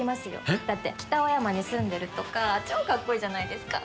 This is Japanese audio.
えっ？だって北青山に住んでるとか超かっこいいじゃないですか。